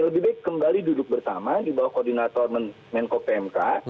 lebih baik kembali duduk bersama di bawah koordinator menko pmk